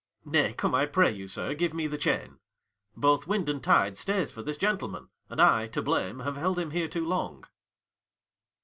Ang. Nay, come, I pray you, sir, give me the chain: 45 Both wind and tide stays for this gentleman, And I, to blame, have held him here too long.